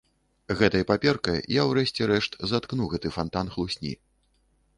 Гэтай паперкай я, урэшце рэшт, заткну гэты фантан хлусні.